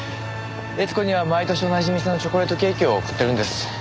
悦子には毎年同じ店のチョコレートケーキを贈ってるんです。